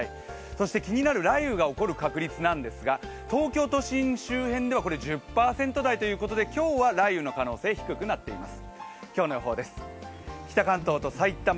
そして気になる雷雨が起こる確率なんですが、東京都心周辺では１０％台ということで今日は雷雨の可能性は低くなっています。